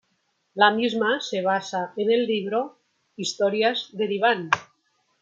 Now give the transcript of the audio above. La misma se basa en el libro "Historias de diván.